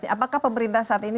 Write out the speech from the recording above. apakah pemerintah saat ini